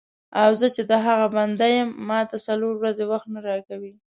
او زه چې د هغه بنده یم ماته څلور ورځې وخت نه راکوې.